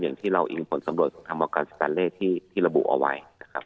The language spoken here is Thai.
อย่างที่เราอิงผลสำรวจสมธรรมการสกัดเลขที่ระบุเอาไว้